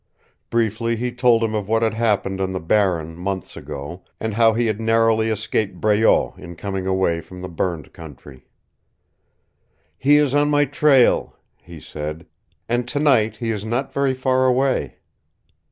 Briefly he told him of what had happened on the Barren months ago, and how he had narrowly escaped Breault in coming away from the burned country. "He is on my trail," he said, "and tonight he is not very far away."